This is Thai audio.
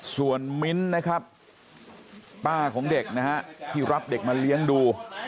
ส่วนมิ้นท์นะครับป้าของเด็กนะฮะที่รับเด็กมาเลี้ยงดู